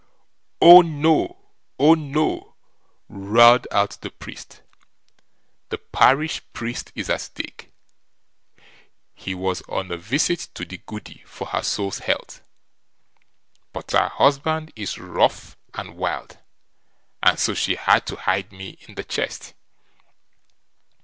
"Oh no! oh no! "roared out the priest. "The parish priest is at stake. He was on a visit to the Goody for her soul's health, but her husband is rough and wild, and so she had to hide me in the chest.